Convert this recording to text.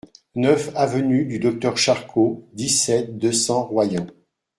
neuf avenue du Docteur Charcot, dix-sept, deux cents, Royan